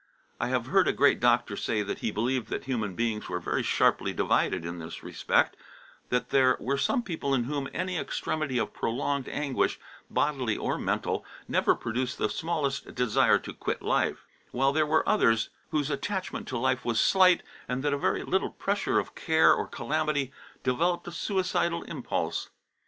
I have heard a great doctor say that he believed that human beings were very sharply divided in this respect, that there were some people in whom any extremity of prolonged anguish, bodily or mental, never produced the smallest desire to quit life; while there were others whose attachment to life was slight, and that a very little pressure of care or calamity developed a suicidal impulse.